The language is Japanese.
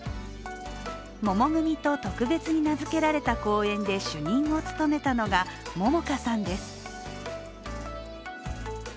桃組と特別に名付けられた公演で主任を務めたのが桃花さんです。